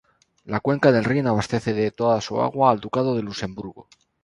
La cuenca del Rin abastece de toda su agua al ducado de Luxemburgo.